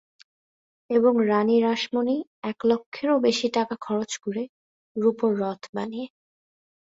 এবং রাণী রাসমণি এক লক্ষেরও বেশি টাকা খরচ করে রুপোর রথ বানিয়ে।